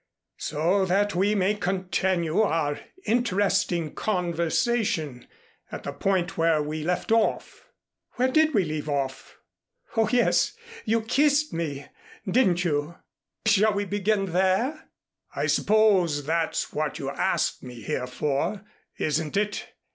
"So that we may continue our interesting conversation at the point where we left off." "Where did we leave off? Oh, yes, you kissed me, didn't you? Shall we begin there?" "I suppose that's what you asked me here for, isn't it?"